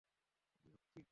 আমি আসছি, ড্যানি।